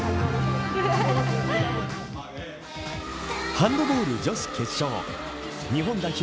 ハンドボール女子決勝日本代表